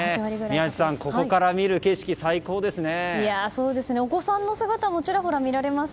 宮司さん、ここから見る景色最高ですね。